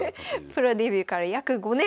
プロデビューから約５年。